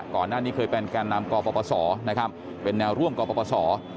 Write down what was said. ก่อนหน้านี้เคยเป็นการนำกปสเป็นแนวร่วมกปส